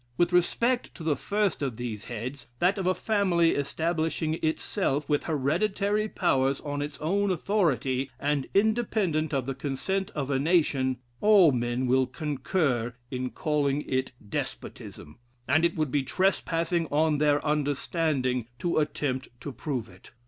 With respect to the first of these heads, that of a family establishing itself with heredity powers on its own authority, and independent of the consent of a nation, all men will concur in calling it despotism: and it would be trespassing on their understanding to attempt to prove it.